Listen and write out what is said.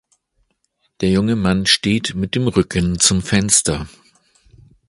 Der junge Mann steht mit dem Rücken zum Fenster.